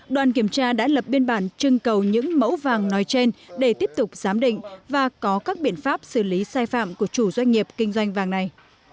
đoàn kiểm tra đã lập biên bản trưng cầu những mẫu vàng nói trên để tiếp tục giám định và có các biện pháp xử lý sai phạm của chủ doanh nghiệp kinh doanh vàng này